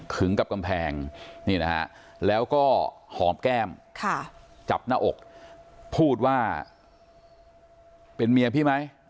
กับกำแพงนี่นะฮะแล้วก็หอมแก้มจับหน้าอกพูดว่าเป็นเมียพี่ไหม